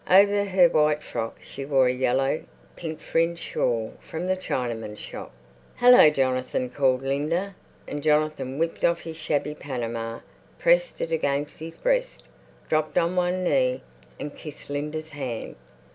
Over her white frock she wore a yellow, pink fringed shawl from the Chinaman's shop. "Hallo, Jonathan!" called Linda. And Jonathan whipped off his shabby panama, pressed it against his breast, dropped on one knee, and kissed Linda's hand.